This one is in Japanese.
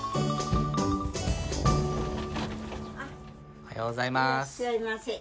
おはようございます。